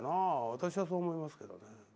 私はそう思いますけどね。